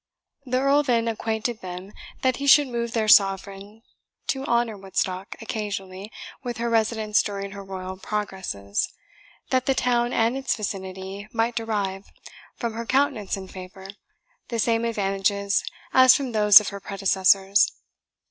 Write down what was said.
The Earl then acquainted them that he should move their sovereign to honour Woodstock occasionally with her residence during her royal progresses, that the town and its vicinity might derive, from her countenance and favour, the same advantages as from those of her predecessors.